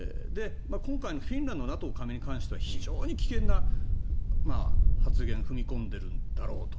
今回のフィンランドＮＡＴＯ加盟に関しては非常に危険な発言踏み込んでいるだろうと。